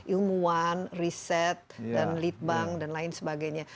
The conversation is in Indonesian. ilmuwan riset dan lead bank dan lain sebagainya